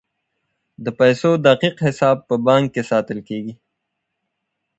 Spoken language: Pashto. د پیسو دقیق حساب په بانک کې ساتل کیږي.